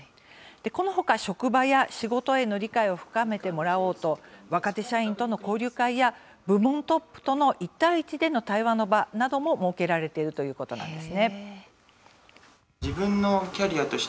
この他、職場や仕事への理解を深めてもらおうと若手社員との交流会や部門トップとの１対１での対話の場なども設けられているということです。